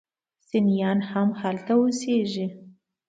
سنیان هم هلته اوسیږي.